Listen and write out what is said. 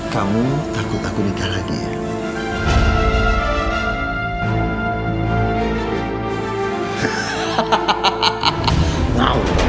kamu takut aku nikah lagi